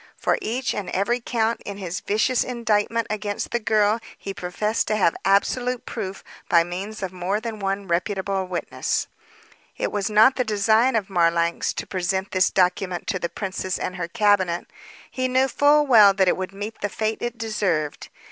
For each and every count in his vicious indictment against the girl he professed to have absolute proof by means of more than one reputable witness. It was not the design of Marlanx to present this document to the princess and her cabinet. He knew full well that it would meet the fate it deserved.